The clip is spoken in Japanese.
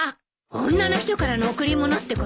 女の人からの贈り物ってこと？